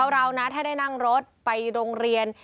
เรานะถ้าได้นั่งรถไปโรงเรียน